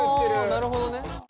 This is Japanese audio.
あなるほどね。